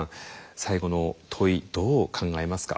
最後の問いどう考えますか？